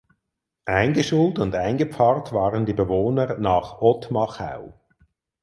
Eingeschult und eingepfarrt waren die Bewohner nach Ottmachau.